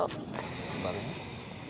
apalagi sekarang gak ada itu